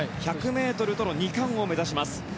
１００ｍとの２冠を目指します。